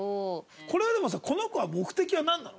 これはでもさこの子は目的はなんなの？